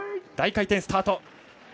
大回転スタート。